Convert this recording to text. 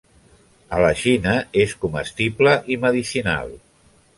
A la Xina és comestible i medicinal.